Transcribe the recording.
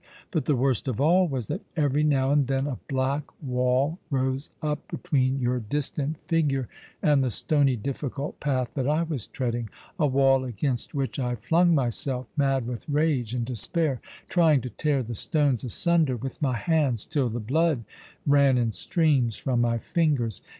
But the worst of all was that every now and then a black wall rose up between your distant figure and the stony difiScult path that I was treading — a wall against which I flung myself, mad with rage and despair, trying to tear the stones asunder with my hands, till the blood ran in streams from my fingers.